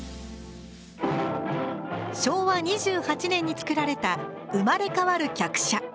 昭和２８年に作られた「生れかわる客車」。